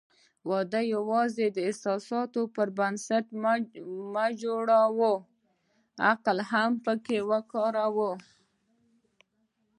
واده یوازې د احساساتو پر بنسټ مه جوړوه، عقل هم پکې وکاروه.